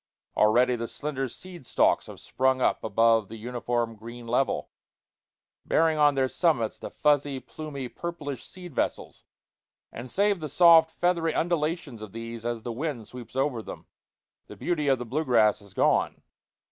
Already the slender seed stalks have sprung up above the uniform green level, bearing on their summits the fuzzy, plumy, purplish seed vessels; and save the soft, feathery undulations of these as the wind sweeps over them, the beauty of the blue grass is gone.